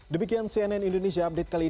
demikian cnn indonesia update kali ini